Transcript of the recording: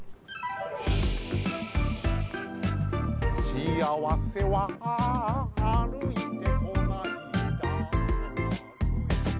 「しあわせは歩いてこない」